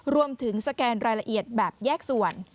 สแกนรายละเอียดแบบแยกส่วน